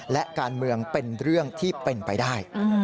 และการเมืองเป็นเรื่องที่เป็นไปได้